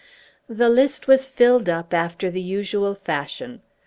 The list was filled up after the usual fashion.